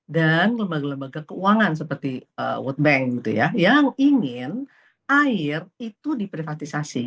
dan lembaga lembaga keuangan seperti world bank yang ingin air itu diprivatisasi